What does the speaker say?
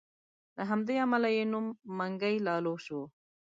له همدې امله یې نوم منګی لالو شو.